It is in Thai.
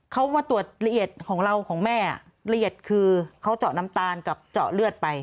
เขามาตรวจละเอียดของเราของแม่ละเอียดคือเขาเจาะน้ำตาลกับเจาะเลือดไป